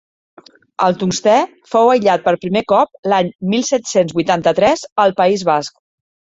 El tungstè fou aïllat per primer cop l'any mil set-cents vuitanta-tres al País Basc.